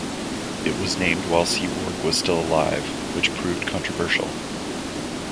It was named while Seaborg was still alive, which proved controversial.